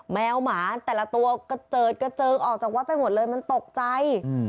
แมวหมาแต่ละตัวกระเจิดกระเจิงออกจากวัดไปหมดเลยมันตกใจ